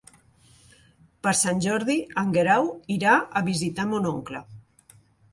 Per Sant Jordi en Guerau irà a visitar mon oncle.